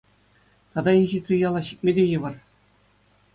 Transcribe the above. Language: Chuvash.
Тата инҫетри яла ҫитме те йывӑр.